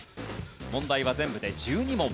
問題は全部で１２問。